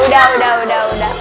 udah udah udah udah